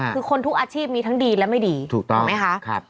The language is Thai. คือคนทุกอาชีพมีทั้งดีและไม่ดีถูกต้องไหมคะ